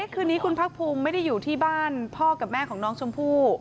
คุณพี่พุมไม่ได้อยู่ที่บ้านพ่อกับแม่ของชมพู